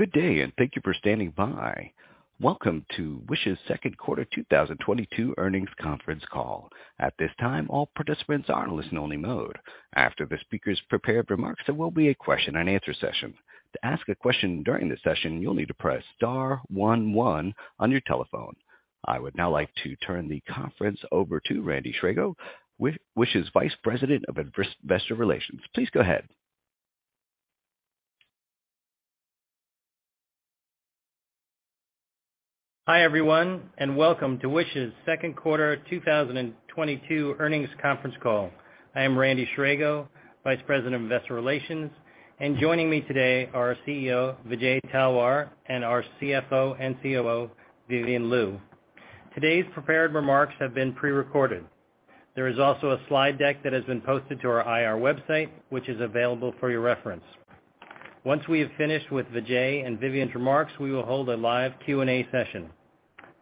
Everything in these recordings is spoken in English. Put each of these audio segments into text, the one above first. Good day, and thank you for standing by. Welcome to Wish's second quarter 2022 earnings conference call. At this time, all participants are in listen only mode. After the speaker's prepared remarks, there will be a question and answer session. To ask a question during this session, you'll need to press star one one on your telephone. I would now like to turn the conference over to Randy Scherago, Wish's Vice President of Investor Relations. Please go ahead. Hi, everyone, and welcome to Wish's second quarter 2022 earnings conference call. I am Randy Scherago, Vice President of Investor Relations. Joining me today are our CEO, Vijay Talwar, and our CFO and COO, Vivian Liu. Today's prepared remarks have been pre-recorded. There is also a slide deck that has been posted to our IR website, which is available for your reference. Once we have finished with Vijay and Vivian's remarks, we will hold a live Q&A session.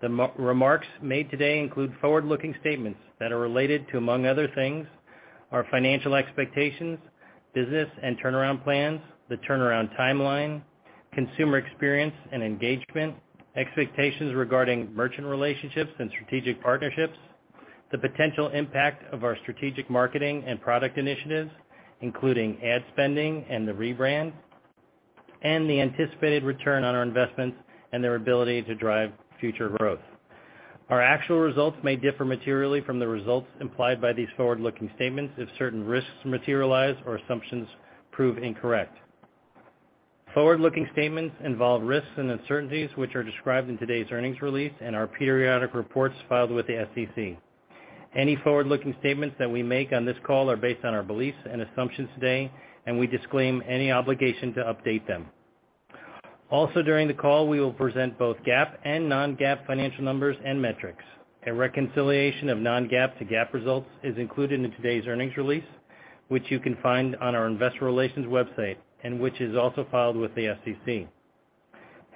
The remarks made today include forward-looking statements that are related to, among other things, our financial expectations, business and turnaround plans, the turnaround timeline, consumer experience and engagement, expectations regarding merchant relationships and strategic partnerships, the potential impact of our strategic marketing and product initiatives, including ad spending and the rebrand, and the anticipated return on our investments and their ability to drive future growth. Our actual results may differ materially from the results implied by these forward-looking statements if certain risks materialize or assumptions prove incorrect. Forward-looking statements involve risks and uncertainties, which are described in today's earnings release and our periodic reports filed with the SEC. Any forward-looking statements that we make on this call are based on our beliefs and assumptions today, and we disclaim any obligation to update them. Also, during the call, we will present both GAAP and non-GAAP financial numbers and metrics. A reconciliation of non-GAAP to GAAP results is included in today's earnings release, which you can find on our investor relations website and which is also filed with the SEC.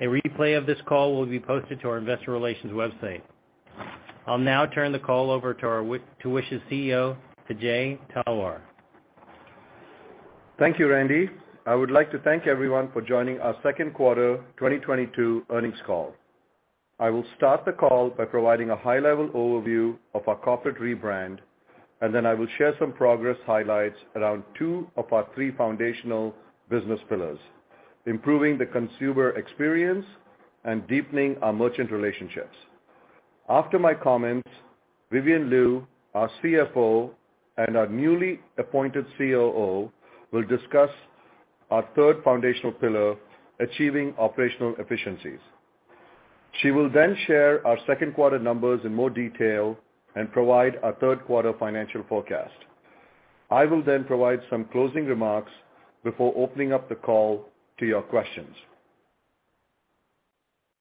A replay of this call will be posted to our investor relations website. I'll now turn the call over to Wish's CEO, Vijay Talwar. Thank you, Randy. I would like to thank everyone for joining our second quarter 2022 earnings call. I will start the call by providing a high-level overview of our corporate rebrand, and then I will share some progress highlights around two of our three foundational business pillars, improving the consumer experience and deepening our merchant relationships. After my comments, Vivian Liu, our CFO and our newly appointed COO, will discuss our third foundational pillar, achieving operational efficiencies. She will then share our second quarter numbers in more detail and provide our third quarter financial forecast. I will then provide some closing remarks before opening up the call to your questions.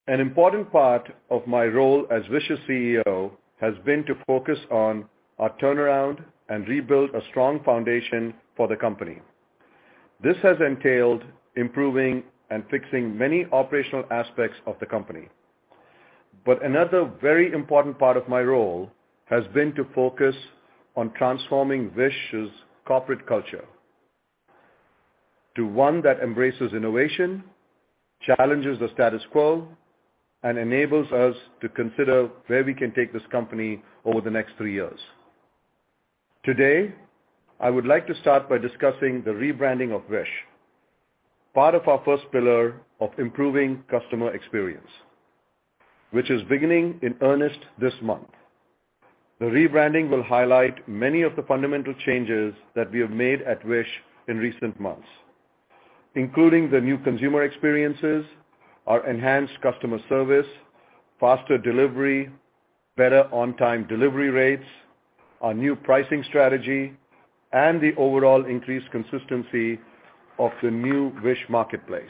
An important part of my role as Wish's CEO has been to focus on our turnaround and rebuild a strong foundation for the company. This has entailed improving and fixing many operational aspects of the company. Another very important part of my role has been to focus on transforming Wish's corporate culture to one that embraces innovation, challenges the status quo, and enables us to consider where we can take this company over the next three years. Today, I would like to start by discussing the rebranding of Wish, part of our first pillar of improving customer experience, which is beginning in earnest this month. The rebranding will highlight many of the fundamental changes that we have made at Wish in recent months, including the new consumer experiences, our enhanced customer service, faster delivery, better on-time delivery rates, our new pricing strategy, and the overall increased consistency of the new Wish marketplace.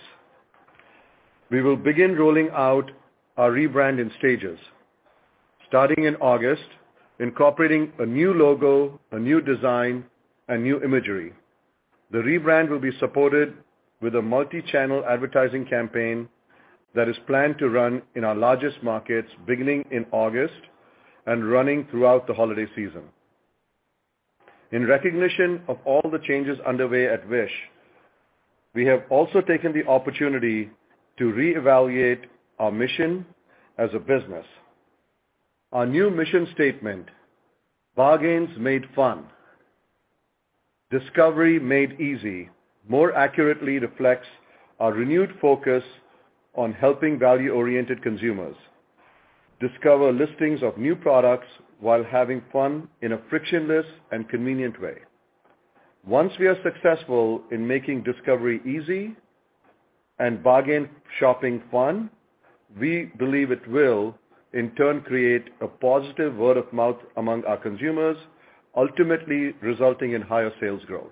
We will begin rolling out our rebrand in stages, starting in August, incorporating a new logo, a new design, and new imagery. The rebrand will be supported with a multi-channel advertising campaign that is planned to run in our largest markets beginning in August and running throughout the holiday season. In recognition of all the changes underway at Wish, we have also taken the opportunity to reevaluate our mission as a business. Our new mission statement, Bargains made Fun, Discovery made Easy, more accurately reflects our renewed focus on helping value-oriented consumers discover listings of new products while having fun in a frictionless and convenient way. Once we are successful in making discovery easy and bargain shopping fun, we believe it will, in turn, create a positive word of mouth among our consumers, ultimately resulting in higher sales growth.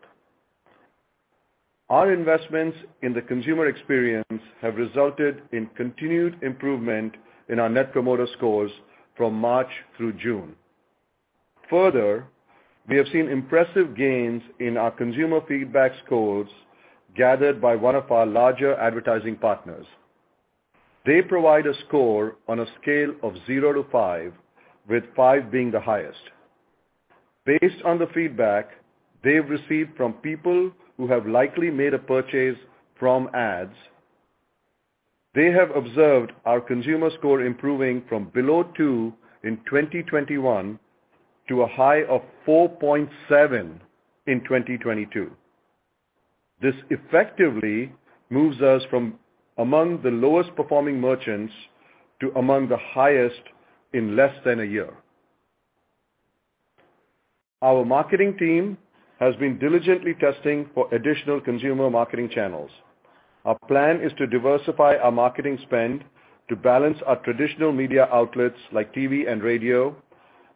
Our investments in the consumer experience have resulted in continued improvement in our net promoter scores from March through June. Further, we have seen impressive gains in our consumer feedback scores gathered by one of our larger advertising partners. They provide a score on a scale of 0-5, with 5 being the highest. Based on the feedback they've received from people who have likely made a purchase from ads, they have observed our consumer score improving from below 2 in 2021 to a high of 4.7 in 2022. This effectively moves us from among the lowest performing merchants to among the highest in less than a year. Our marketing team has been diligently testing for additional consumer marketing channels. Our plan is to diversify our marketing spend to balance our traditional media outlets like TV and radio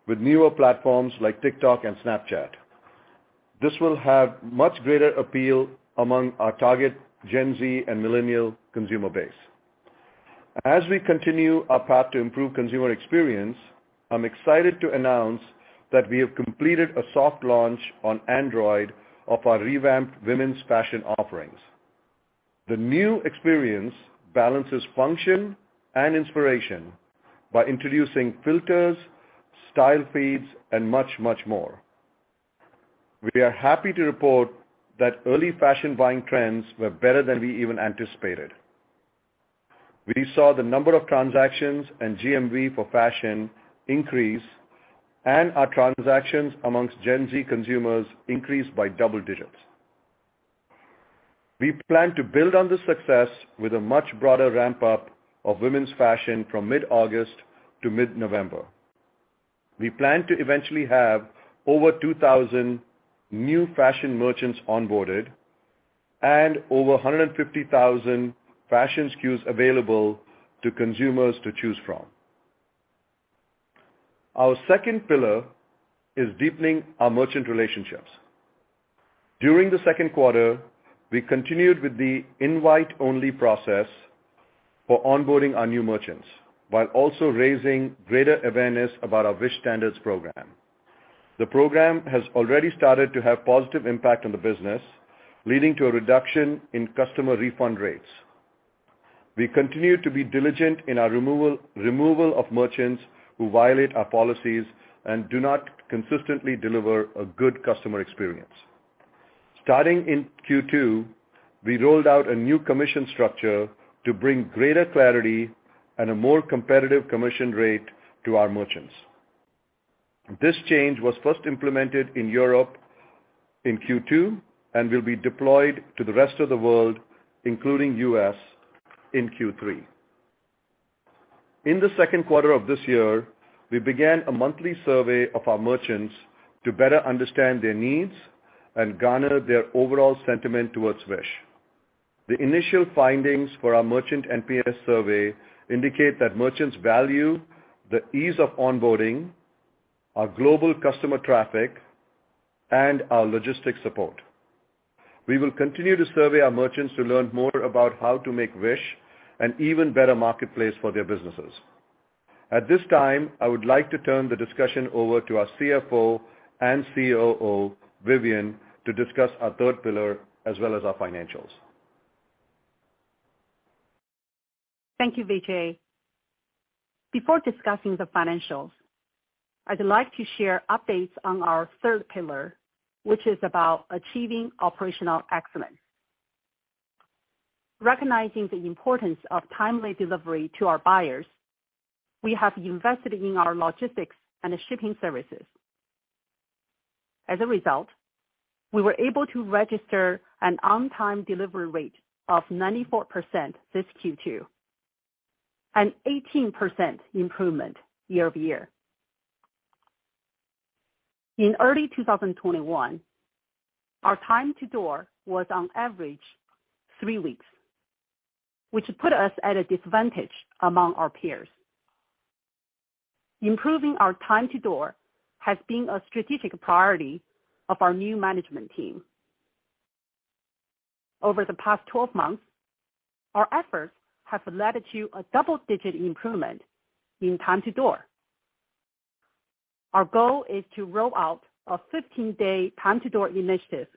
with newer platforms like TikTok and Snapchat. This will have much greater appeal among our target Gen Z and millennial consumer base. As we continue our path to improve consumer experience, I'm excited to announce that we have completed a soft launch on Android of our revamped women's fashion offerings. The new experience balances function and inspiration by introducing filters, style feeds, and much, much more. We are happy to report that early fashion buying trends were better than we even anticipated. We saw the number of transactions and GMV for fashion increase, and our transactions amongst Gen Z consumers increased by double digits. We plan to build on this success with a much broader ramp-up of women's fashion from mid-August to mid-November. We plan to eventually have over 2,000 new fashion merchants onboarded and over 150,000 fashion SKUs available to consumers to choose from. Our second pillar is deepening our merchant relationships. During the second quarter, we continued with the invite-only process for onboarding our new merchants, while also raising greater awareness about our Wish Standards program. The program has already started to have positive impact on the business, leading to a reduction in customer refund rates. We continue to be diligent in our removal of merchants who violate our policies and do not consistently deliver a good customer experience. Starting in Q2, we rolled out a new commission structure to bring greater clarity and a more competitive commission rate to our merchants. This change was first implemented in Europe in Q2 and will be deployed to the rest of the world, including U.S., in Q3. In the second quarter of this year, we began a monthly survey of our merchants to better understand their needs and garner their overall sentiment towards Wish. The initial findings for our merchant NPS survey indicate that merchants value the ease of onboarding, our global customer traffic, and our logistics support. We will continue to survey our merchants to learn more about how to make Wish an even better marketplace for their businesses. At this time, I would like to turn the discussion over to our CFO and COO, Vivian, to discuss our third pillar as well as our financials. Thank you, Vijay. Before discussing the financials, I'd like to share updates on our third pillar, which is about achieving operational excellence. Recognizing the importance of timely delivery to our buyers, we have invested in our logistics and shipping services. As a result, we were able to register an on-time delivery rate of 94% this Q2, an 18% improvement year-over-year. In early 2021, our time to door was on average three weeks, which put us at a disadvantage among our peers. Improving our time to door has been a strategic priority of our new management team. Over the past 12 months, our efforts have led to a double-digit improvement in time to door. Our goal is to roll out a 15-day time to door initiative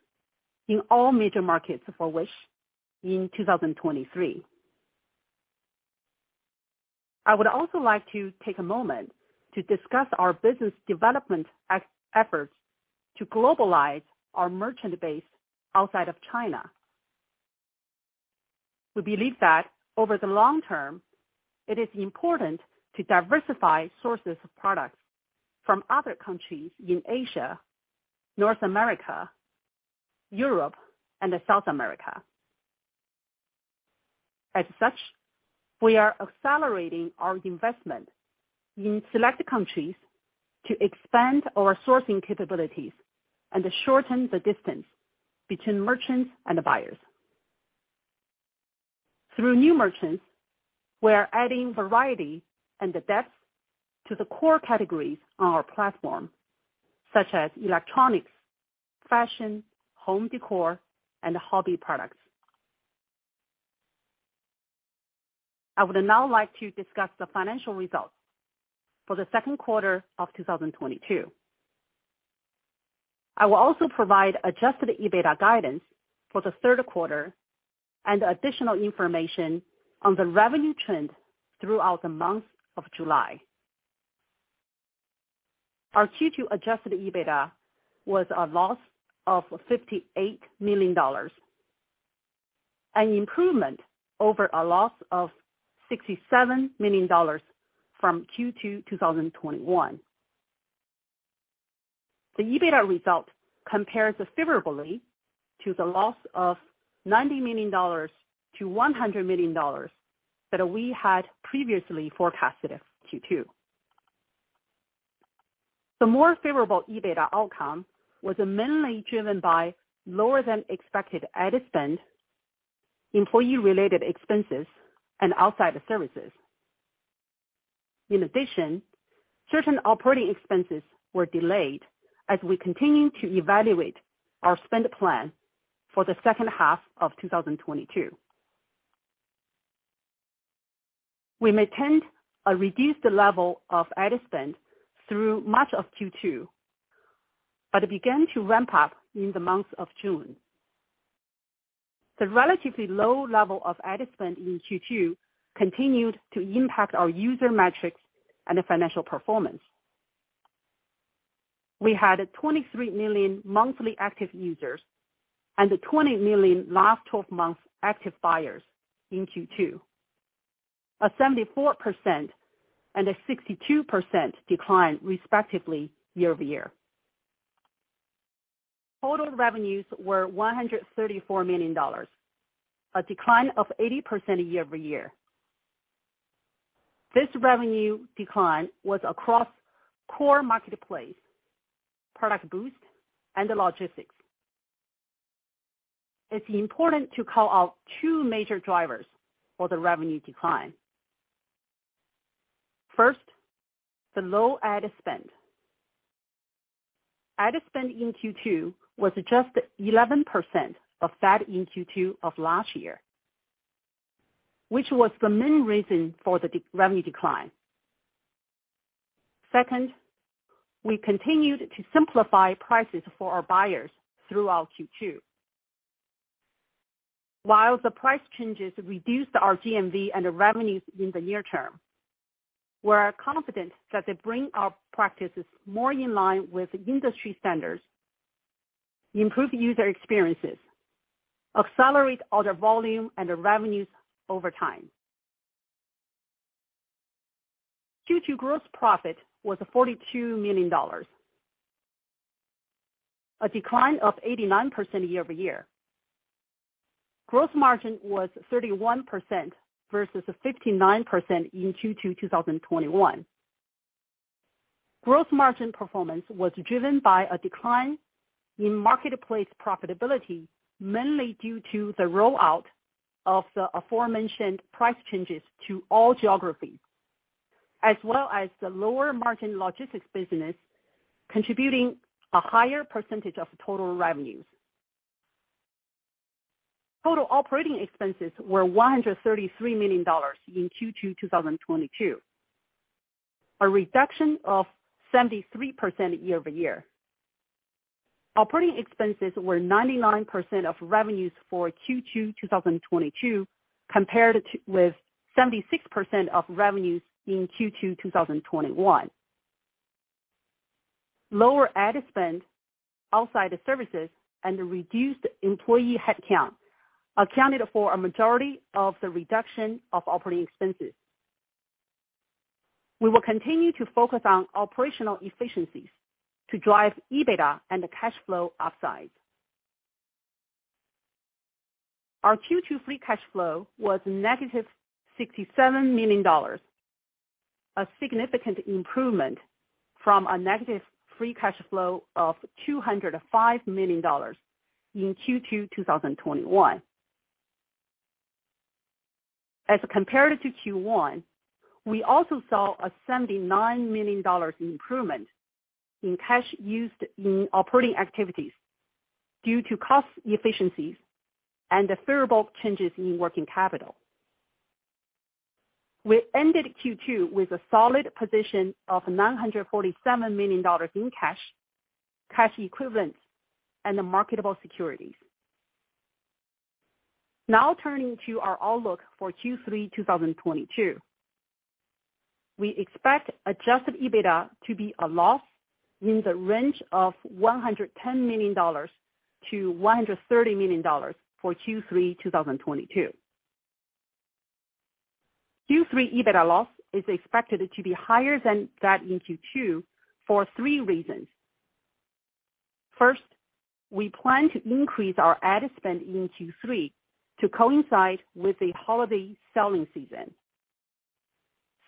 in all major markets for Wish in 2023. I would also like to take a moment to discuss our business development efforts to globalize our merchant base outside of China. We believe that over the long term, it is important to diversify sources of products from other countries in Asia, North America, Europe, and South America. As such, we are accelerating our investment in select countries to expand our sourcing capabilities and to shorten the distance between merchants and buyers. Through new merchants, we are adding variety and the depth to the core categories on our platform, such as electronics, fashion, home decor, and hobby products. I would now like to discuss the financial results for the second quarter of 2022. I will also provide adjusted EBITDA guidance for the third quarter and additional information on the revenue trend throughout the month of July. Our Q2 adjusted EBITDA was a loss of $58 million, an improvement over a loss of $67 million from Q2 2021. The EBITDA result compares favorably to the loss of $90 million-$100 million that we had previously forecasted Q2. The more favorable EBITDA outcome was mainly driven by lower than expected ad spend, employee related expenses and outside services. In addition, certain operating expenses were delayed as we continue to evaluate our spend plan for the second half of 2022. We maintained a reduced level of ad spend through much of Q2, but it began to ramp up in the month of June. The relatively low level of ad spend in Q2 continued to impact our user metrics and financial performance. We had 23 million monthly active users and 20 million last 12 months active buyers in Q2. A 74% and a 62% decline respectively year-over-year. Total revenues were $134 million, a decline of 80% year-over-year. This revenue decline was across core marketplace, ProductBoost and the logistics. It's important to call out two major drivers for the revenue decline. First, the low ad spend. Ad spend in Q2 was just 11% of that in Q2 of last year, which was the main reason for the revenue decline. Second, we continued to simplify prices for our buyers throughout Q2. While the price changes reduced our GMV and the revenues in the near term, we are confident that they bring our practices more in line with industry standards, improve user experiences, accelerate order volume and the revenues over time. Q2 gross profit was $42 million. A decline of 89% year-over-year. Gross margin was 31% versus 59% in Q2 2021. Gross margin performance was driven by a decline in marketplace profitability, mainly due to the rollout of the aforementioned price changes to all geographies, as well as the lower margin logistics business contributing a higher percentage of total revenues. Total operating expenses were $133 million in Q2 2022, a reduction of 73% year-over-year. Operating expenses were 99% of revenues for Q2 2022, compared with 76% of revenues in Q2 2021. Lower ad spend outside the services and the reduced employee headcount accounted for a majority of the reduction of operating expenses. We will continue to focus on operational efficiencies to drive EBITDA and the cash flow upside. Our Q2 free cash flow was -$67 million, a significant improvement from a negative free cash flow of $205 million in Q2 2021. As compared to Q1, we also saw a $79 million improvement in cash used in operating activities due to cost efficiencies and the favorable changes in working capital. We ended Q2 with a solid position of $947 million in cash equivalents and the marketable securities. Now turning to our outlook for Q3 2022. We expect adjusted EBITDA to be a loss in the range of $110 million-$130 million for Q3 2022. Q3 EBITDA loss is expected to be higher than that in Q2 for three reasons. First, we plan to increase our ad spend in Q3 to coincide with the holiday selling season.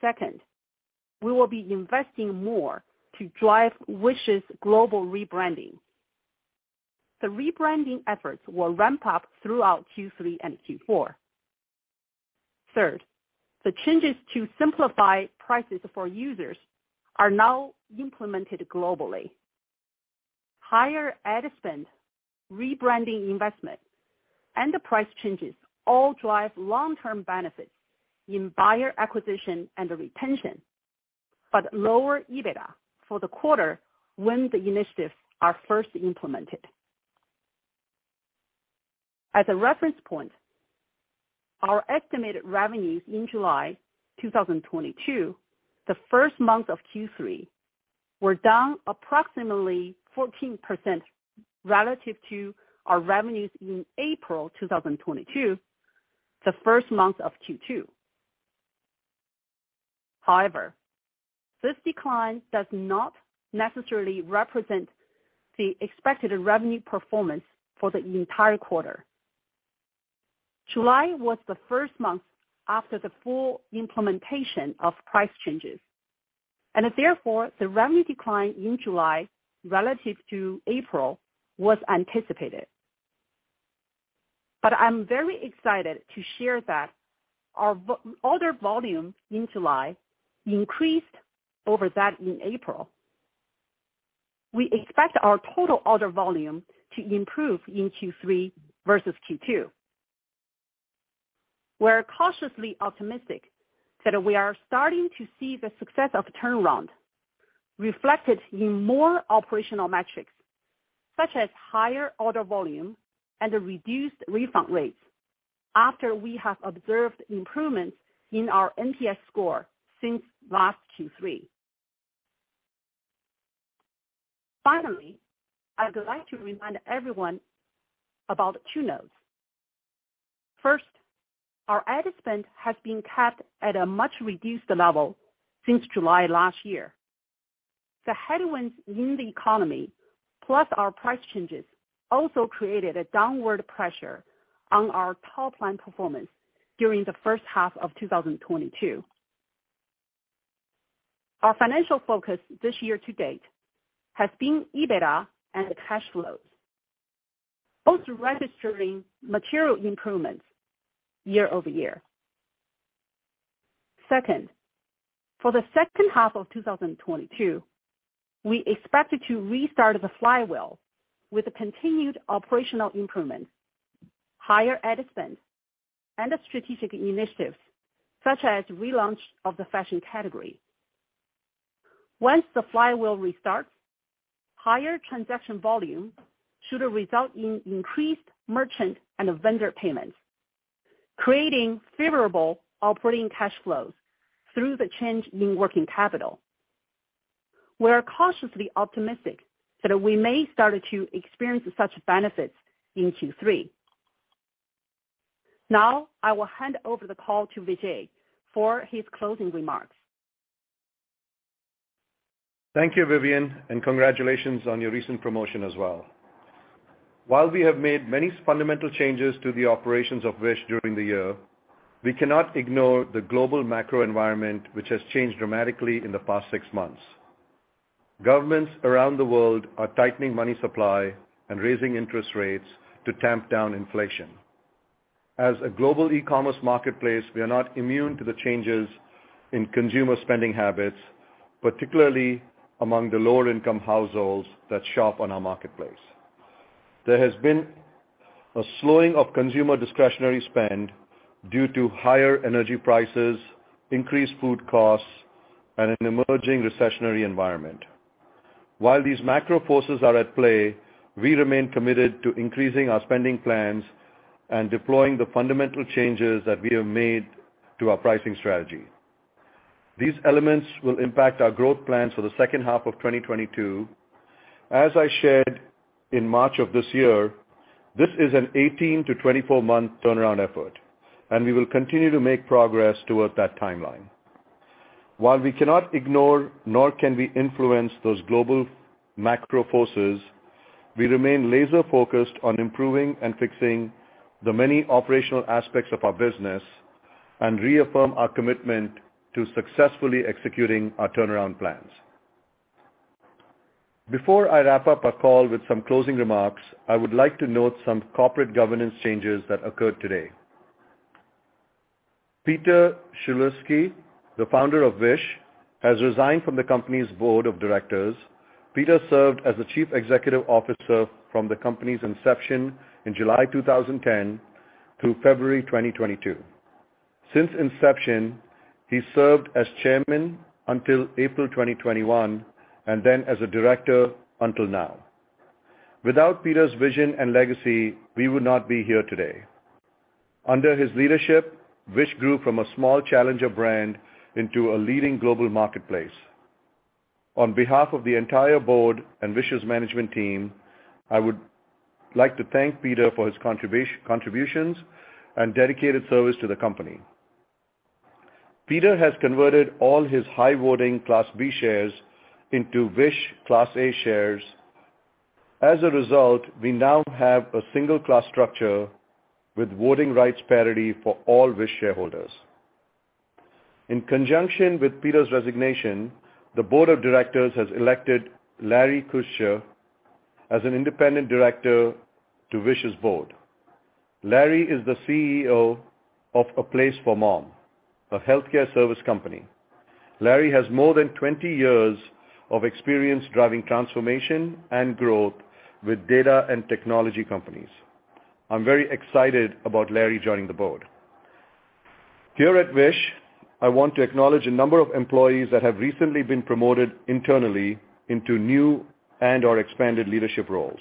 Second, we will be investing more to drive Wish's global rebranding. The rebranding efforts will ramp up throughout Q3 and Q4. Third, the changes to simplify prices for users are now implemented globally. Higher ad spend, rebranding investment and the price changes all drive long-term benefits in buyer acquisition and retention. Lower EBITDA for the quarter when the initiatives are first implemented. As a reference point, our estimated revenues in July 2022, the first month of Q3, were down approximately 14% relative to our revenues in April 2022, the first month of Q2. However, this decline does not necessarily represent the expected revenue performance for the entire quarter. July was the first month after the full implementation of price changes, and therefore, the revenue decline in July relative to April was anticipated. I'm very excited to share that our order volume in July increased over that in April. We expect our total order volume to improve in Q3 versus Q2. We're cautiously optimistic that we are starting to see the success of turnaround reflected in more operational metrics, such as higher order volume and reduced refund rates after we have observed improvements in our NPS score since last Q3. Finally, I'd like to remind everyone about two notes. First, our ad spend has been kept at a much-reduced level since July last year. The headwinds in the economy, plus our price changes, also created a downward pressure on our top line performance during the first half of 2022. Our financial focus this year to date has been EBITDA and cash flows, both registering material improvements year-over-year. Second, for the second half of 2022, we expect to restart the flywheel with continued operational improvements, higher ad spend, and strategic initiatives such as relaunch of the fashion category. Once the flywheel restarts, higher transaction volume should result in increased merchant and vendor payments, creating favorable operating cash flows through the change in working capital. We are cautiously optimistic that we may start to experience such benefits in Q3. Now, I will hand over the call to Vijay for his closing remarks. Thank you, Vivian, and congratulations on your recent promotion as well. While we have made many fundamental changes to the operations of Wish during the year, we cannot ignore the global macro environment, which has changed dramatically in the past six months. Governments around the world are tightening money supply and raising interest rates to tamp down inflation. As a global e-commerce marketplace, we are not immune to the changes in consumer spending habits, particularly among the lower-income households that shop on our marketplace. There has been a slowing of consumer discretionary spend due to higher energy prices, increased food costs, and an emerging recessionary environment. While these macro forces are at play, we remain committed to increasing our spending plans and deploying the fundamental changes that we have made to our pricing strategy. These elements will impact our growth plans for the second half of 2022. As I shared in March of this year, this is an 18-24 month turnaround effort, and we will continue to make progress towards that timeline. While we cannot ignore, nor can we influence those global macro forces, we remain laser focused on improving and fixing the many operational aspects of our business and reaffirm our commitment to successfully executing our turnaround plans. Before I wrap up our call with some closing remarks, I would like to note some corporate governance changes that occurred today. Piotr Szulczewski, the founder of Wish, has resigned from the company's Board of Directors. Piotr served as the Chief Executive Officer from the company's inception in July 2010 through February 2022. Since inception, he served as Chairman until April 2021, and then as a Director until now. Without Piotr's vision and legacy, we would not be here today. Under his leadership, Wish grew from a small challenger brand into a leading global marketplace. On behalf of the entire Board and Wish's management team, I would like to thank Piotr for his contributions and dedicated service to the company. Piotr has converted all his high voting Class B shares into Wish Class A shares. As a result, we now have a single class structure with voting rights parity for all Wish shareholders. In conjunction with Piotr's resignation, the Board of Directors has elected Larry Kutscher as an independent director to Wish's Board. Larry is the CEO of A Place for Mom, a healthcare service company. Larry has more than 20 years of experience driving transformation and growth with data and technology companies. I'm very excited about Larry joining the Board. Here at Wish, I want to acknowledge a number of employees that have recently been promoted internally into new and/or expanded leadership roles.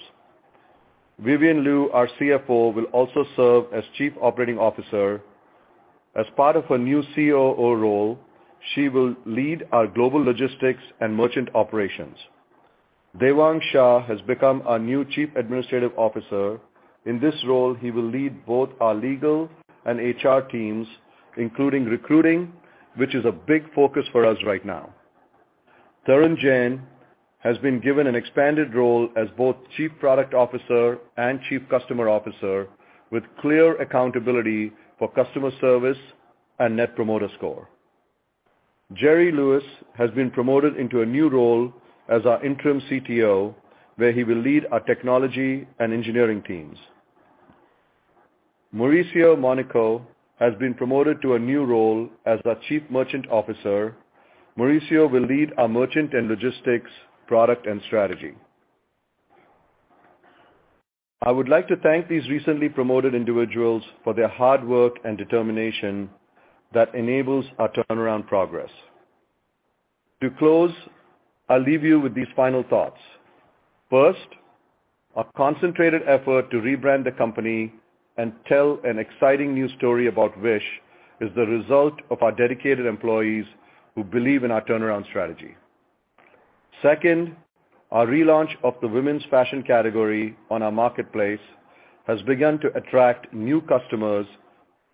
Vivian Liu, our CFO, will also serve as Chief Operating Officer. As part of her new COO role, she will lead our global logistics and merchant operations. Devang Shah has become our new Chief Administrative Officer. In this role, he will lead both our legal and HR teams, including recruiting, which is a big focus for us right now. Tarun Jain has been given an expanded role as both Chief Product Officer and Chief Customer Officer with clear accountability for customer service and net promoter score. Jerry Louis has been promoted into a new role as our interim CTO, where he will lead our technology and engineering teams. Mauricio Monico has been promoted to a new role as our Chief Merchant Officer. Mauricio will lead our merchant and logistics, product and strategy. I would like to thank these recently promoted individuals for their hard work and determination that enables our turnaround progress. To close, I'll leave you with these final thoughts. First, a concentrated effort to rebrand the company and tell an exciting new story about Wish is the result of our dedicated employees who believe in our turnaround strategy. Second, our relaunch of the women's fashion category on our marketplace has begun to attract new customers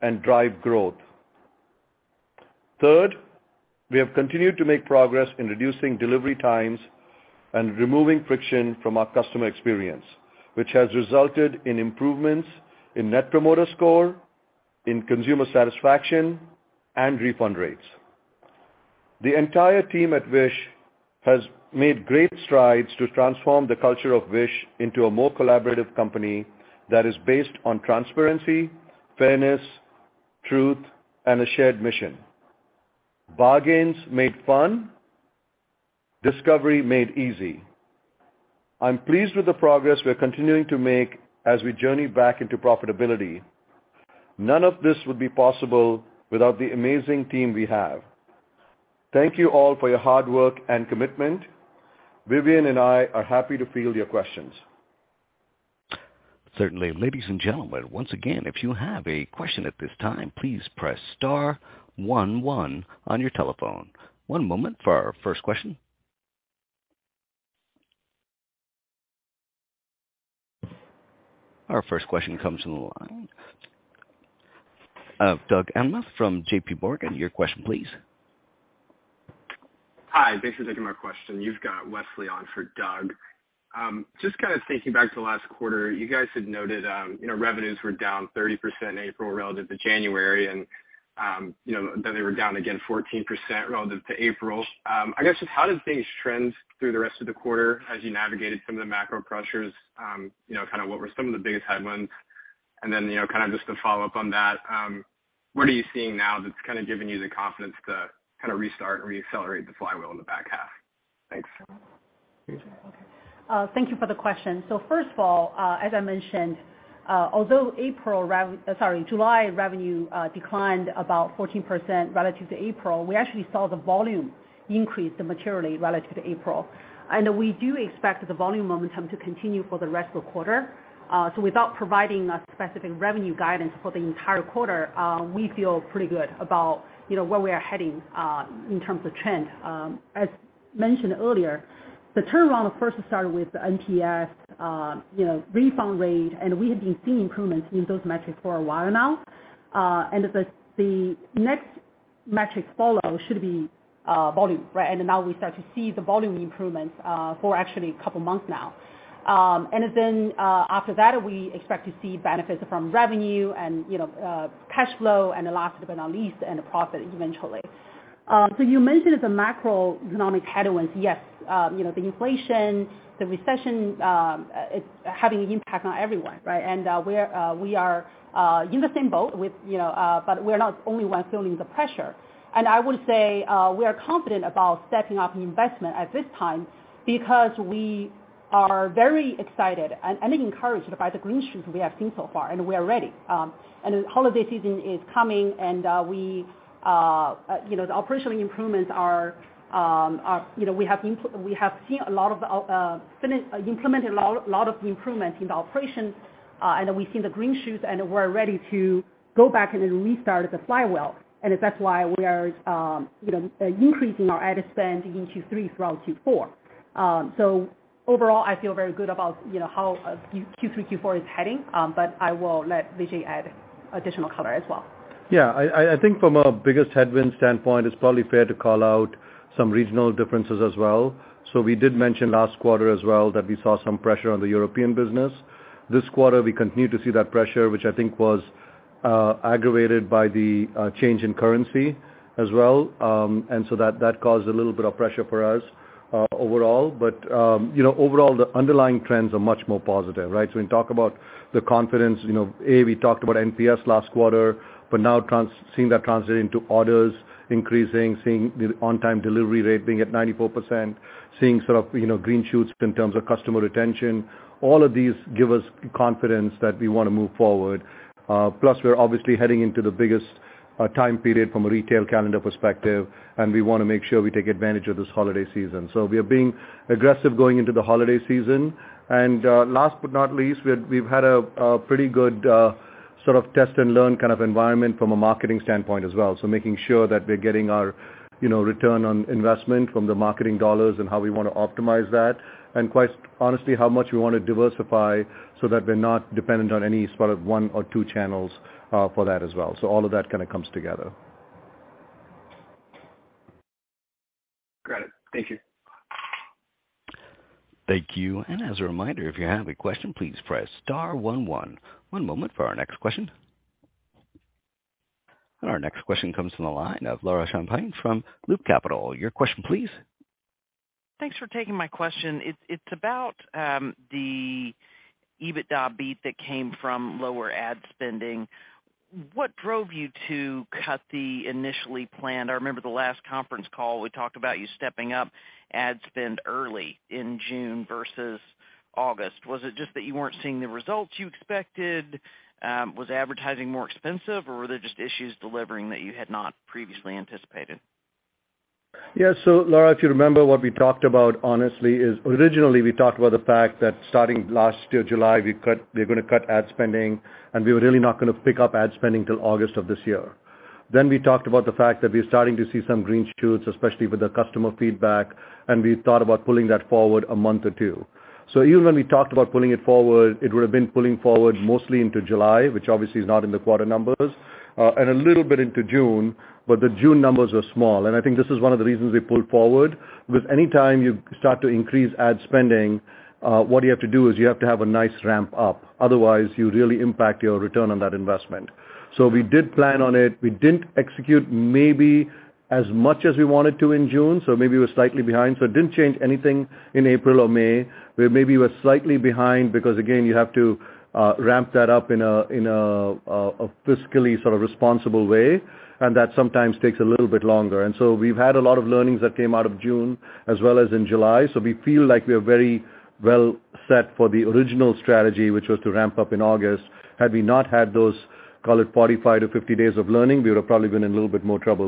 and drive growth. Third, we have continued to make progress in reducing delivery times and removing friction from our customer experience, which has resulted in improvements in net promoter score, in consumer satisfaction, and refund rates. The entire team at Wish has made great strides to transform the culture of Wish into a more collaborative company that is based on transparency, fairness, truth, and a shared mission. Bargains made Fun, Discovery made Easy. I'm pleased with the progress we are continuing to make as we journey back into profitability. None of this would be possible without the amazing team we have. Thank you all for your hard work and commitment. Vivian and I are happy to field your questions. Certainly. Ladies and gentlemen, once again, if you have a question at this time, please press star one one on your telephone. One moment for our first question. Our first question comes from the line of Doug Anmuth from JPMorgan. Your question, please. Hi. Thanks for taking my question. You've got Wesley on for Doug. Just kinda thinking back to last quarter, you guys had noted, you know, revenues were down 30% in April relative to January and, you know, then they were down again 14% relative to April. I guess just how did things trend through the rest of the quarter as you navigated some of the macro pressures? You know, kind of what were some of the biggest headwinds? You know, kind of just to follow up on that, what are you seeing now that's kind of giving you the confidence to kinda restart, re-accelerate the flywheel in the back half? Thanks. Vivian. Okay. Thank you for the question. First of all, as I mentioned, although July revenue declined about 14% relative to April, we actually saw the volume increase materially relative to April. We do expect the volume momentum to continue for the rest of the quarter. Without providing a specific revenue guidance for the entire quarter, we feel pretty good about, you know, where we are heading in terms of trend. As mentioned earlier, the turnaround first started with NPS, you know, refund rate, and we have been seeing improvements in those metrics for a while now. The next metric follow should be volume, right? Now we start to see the volume improvements for actually a couple of months now. After that, we expect to see benefits from revenue and, you know, cash flow and the last but not least, in the profit eventually. You mentioned the macroeconomic headwinds. Yes, you know, the inflation, the recession, it's having an impact on everyone, right? We are in the same boat with, you know, but we're not the only one feeling the pressure. I would say, we are confident about stepping up investment at this time because we are very excited and encouraged by the green shoots we have seen so far, and we are ready. The holiday season is coming, and we, you know, the operational improvements are, you know, we have implemented a lot of improvements in the operations, and we've seen the green shoots, and we're ready to go back and restart the flywheel. That's why we are, you know, increasing our ad spend in Q3 throughout Q4. So overall, I feel very good about, you know, how Q3, Q4 is heading, but I will let Vijay add additional color as well. Yeah. I think from a biggest headwind standpoint, it's probably fair to call out some regional differences as well. We did mention last quarter as well that we saw some pressure on the European business. This quarter, we continue to see that pressure, which I think was aggravated by the change in currency as well. That caused a little bit of pressure for us, overall. You know, overall, the underlying trends are much more positive, right? When you talk about the confidence, you know, we talked about NPS last quarter, but now seeing that translate into orders increasing, seeing the on-time delivery rate being at 94%, seeing sort of, you know, green shoots in terms of customer retention. All of these give us confidence that we wanna move forward. Plus we're obviously heading into the biggest time period from a retail calendar perspective, and we wanna make sure we take advantage of this holiday season. We are being aggressive going into the holiday season. Last but not least, we've had a pretty good sort of test and learn kind of environment from a marketing standpoint as well. Making sure that we're getting our, you know, return on investment from the marketing dollars and how we wanna optimize that, and quite honestly, how much we wanna diversify so that we're not dependent on any sort of one or two channels for that as well. All of that kinda comes together. Got it. Thank you. Thank you. As a reminder, if you have a question, please press star one one. One moment for our next question. Our next question comes from the line of Laura Champine from Loop Capital. Your question, please. Thanks for taking my question. It's about the EBITDA beat that came from lower ad spending. What drove you to cut the initially planned? I remember the last conference call, we talked about you stepping up ad spend early in June versus August. Was it just that you weren't seeing the results you expected? Was advertising more expensive or were there just issues delivering that you had not previously anticipated? Yeah. Laura, if you remember what we talked about honestly, is originally we talked about the fact that starting last year, July, we're gonna cut ad spending, and we were really not gonna pick up ad spending till August of this year. Then we talked about the fact that we're starting to see some green shoots, especially with the customer feedback, and we thought about pulling that forward a month or two. Even when we talked about pulling it forward, it would have been pulling forward mostly into July, which obviously is not in the quarter numbers, and a little bit into June, but the June numbers are small. I think this is one of the reasons we pulled forward, because any time you start to increase ad spending, what you have to do is you have to have a nice ramp up. Otherwise, you really impact your return on that investment. We did plan on it. We didn't execute maybe as much as we wanted to in June, so maybe we're slightly behind. It didn't change anything in April or May, where maybe we're slightly behind because again, you have to ramp that up in a fiscally sort of responsible way, and that sometimes takes a little bit longer. We've had a lot of learnings that came out of June as well as in July. We feel like we are very well set for the original strategy, which was to ramp up in August. Had we not had those, call it 45-50 days of learning, we would have probably been in a little bit more trouble.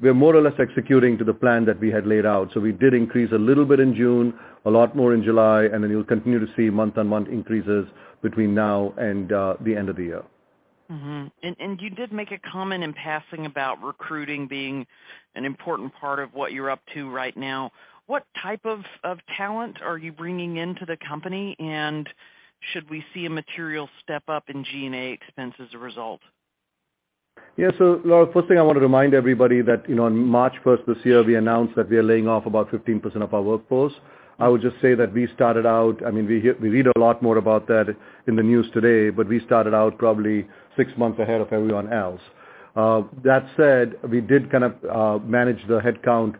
We're more or less executing to the plan that we had laid out. We did increase a little bit in June, a lot more in July, and then you'll continue to see month-on-month increases between now and the end of the year. You did make a comment in passing about recruiting being an important part of what you're up to right now. What type of talent are you bringing into the company? Should we see a material step up in G&A expense as a result? Yeah. Laura, first thing I want to remind everybody that, you know, on March first this year, we announced that we are laying off about 15% of our workforce. I would just say that I mean, we read a lot more about that in the news today, but we started out probably six months ahead of everyone else. That said, we did kind of manage the headcount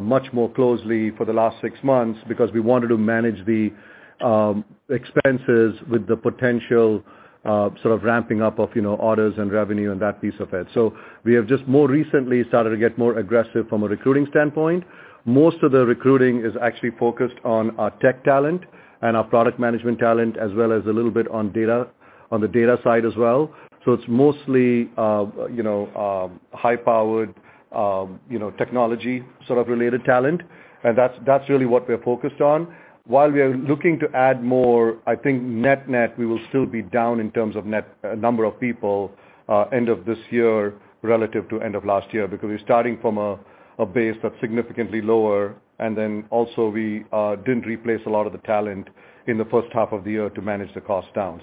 much more closely for the last six months because we wanted to manage the expenses with the potential sort of ramping up of, you know, orders and revenue and that piece of it. We have just more recently started to get more aggressive from a recruiting standpoint. Most of the recruiting is actually focused on our tech talent and our product management talent, as well as a little bit on the data side as well. It's mostly, you know, technology sort of related talent. That's really what we're focused on. While we are looking to add more, I think net-net, we will still be down in terms of net number of people, end of this year relative to end of last year because we're starting from a base that's significantly lower. Then also we didn't replace a lot of the talent in the first half of the year to manage the cost down.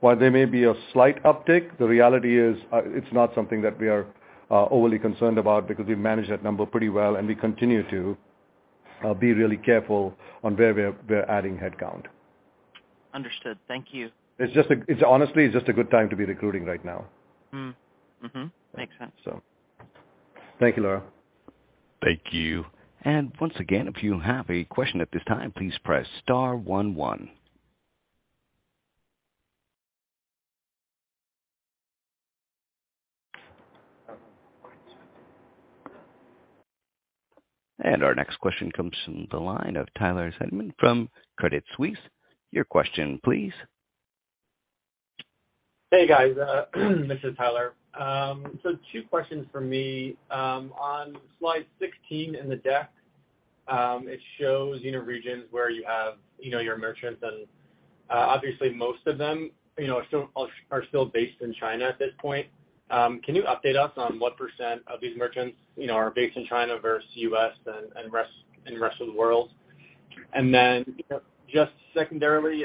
While there may be a slight uptick, the reality is, it's not something that we are overly concerned about because we manage that number pretty well, and we continue to be really careful on where we're adding headcount. Understood. Thank you. It's honestly, it's just a good time to be recruiting right now. Mm-hmm. Makes sense. Thank you, Laura. Thank you. Once again, if you have a question at this time, please press star one one. Our next question comes from the line of Tyler Seidman from Credit Suisse. Your question, please. Hey, guys. This is Tyler. So two questions for me. On slide 16 in the deck, it shows, you know, regions where you have, you know, your merchants and, obviously most of them, you know, are still based in China at this point. Can you update us on what percent of these merchants, you know, are based in China versus U.S. and rest of the world? And then just secondarily,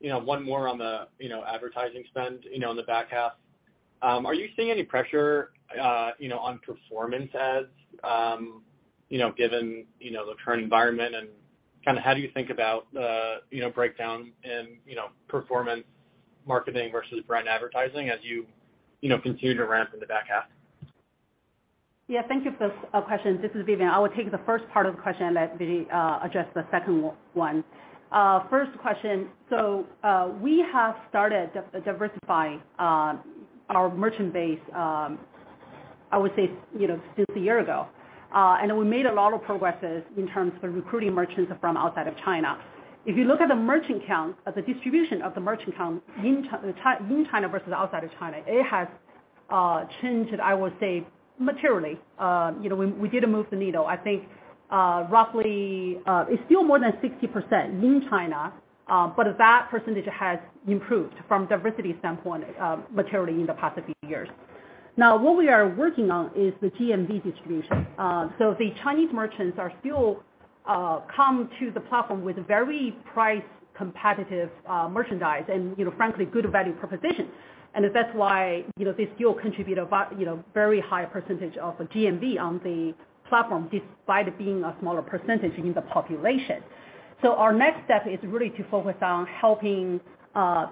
you know, one more on the, you know, advertising spend, you know, in the back half. Are you seeing any pressure, you know, on performance ads, you know, given, you know, the current environment and kinda how do you think about, uh, you know, breakdown in, you know, performance marketing versus brand advertising as you know, continue to ramp in the back half? Yeah. Thank you for those questions. This is Vivian. I will take the first part of the question and let Vijay address the second one. First question. We have started diversifying our merchant base, I would say, you know, just a year ago. We made a lot of progresses in terms of recruiting merchants from outside of China. If you look at the merchant count, at the distribution of the merchant count in China versus outside of China, it has changed, I would say materially. You know, we did move the needle. I think, roughly, it's still more than 60% in China, but that percentage has improved from diversity standpoint materially in the past few years. Now, what we are working on is the GMV distribution. The Chinese merchants are still coming to the platform with very price competitive merchandise and, you know, frankly, good value propositions. That's why, you know, they still contribute a very high percentage of GMV on the platform, despite it being a smaller percentage in the population. Our next step is really to focus on helping,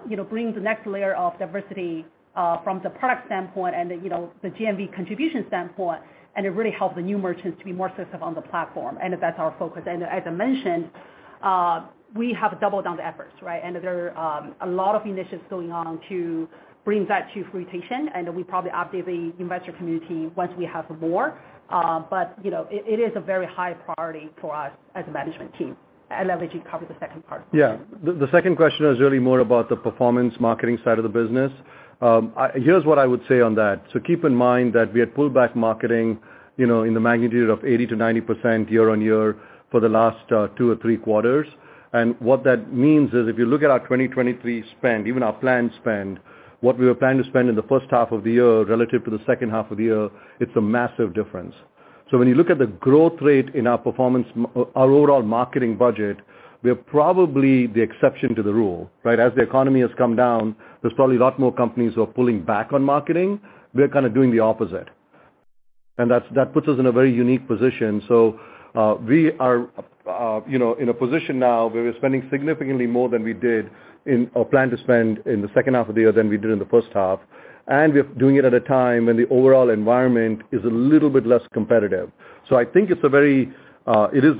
you know, bring the next layer of diversity from the product standpoint and, you know, the GMV contribution standpoint, and it really helps the new merchants to be more successful on the platform, and that's our focus. As I mentioned, we have doubled down on the efforts, right? There are a lot of initiatives going on to bring that to fruition, and we probably update the investor community once we have more. You know, it is a very high priority for us as a management team. I'll let Vijay cover the second part. The second question is really more about the performance marketing side of the business. Here's what I would say on that. Keep in mind that we had pulled back marketing, you know, in the magnitude of 80%-90% year-on-year for the last two or three quarters. What that means is, if you look at our 2023 spend, even our planned spend, what we were planning to spend in the first half of the year relative to the second half of the year, it's a massive difference. When you look at the growth rate in our overall marketing budget, we're probably the exception to the rule, right? As the economy has come down, there's probably a lot more companies who are pulling back on marketing. We're kind of doing the opposite. That puts us in a very unique position. We are, you know, in a position now where we plan to spend significantly more in the second half of the year than we did in the first half. We're doing it at a time when the overall environment is a little bit less competitive. I think it is the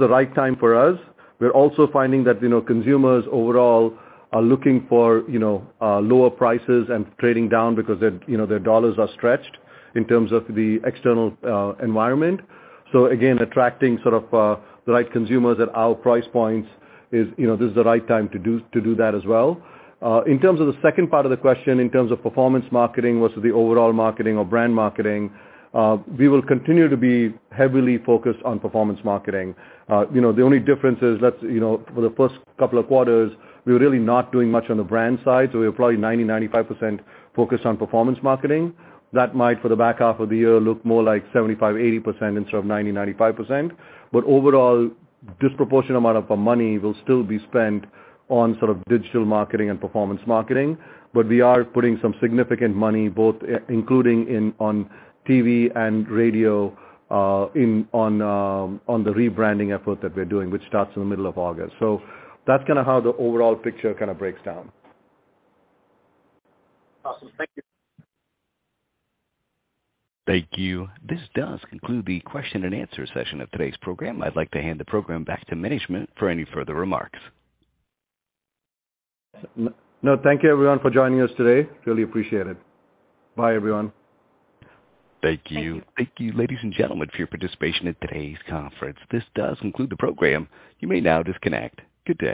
right time for us. We're also finding that, you know, consumers overall are looking for, you know, lower prices and trading down because their, you know, dollars are stretched in terms of the external environment. Again, attracting sort of the right consumers at our price points is, you know, this is the right time to do that as well. In terms of the second part of the question, in terms of performance marketing versus the overall marketing or brand marketing, we will continue to be heavily focused on performance marketing. You know, the only difference is that, you know, for the first couple of quarters, we're really not doing much on the brand side, so we're probably 90%-95% focused on performance marketing. That might, for the back half of the year, look more like 75%-80% instead of 90%-95%. But overall, disproportionate amount of our money will still be spent on sort of digital marketing and performance marketing. But we are putting some significant money, both including in, on TV and radio, in, on the rebranding effort that we're doing, which starts in the middle of August. That's kinda how the overall picture kinda breaks down. Awesome. Thank you. Thank you. This does conclude the question and answer session of today's program. I'd like to hand the program back to management for any further remarks. No. Thank you everyone for joining us today. Really appreciate it. Bye everyone. Thank you. Thank you, ladies and gentlemen, for your participation in today's conference. This does conclude the program. You may now disconnect. Good day.